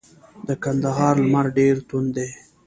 د کندهار لمر ډیر توند دی.